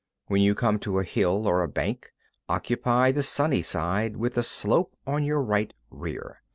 13. When you come to a hill or a bank, occupy the sunny side, with the slope on your right rear.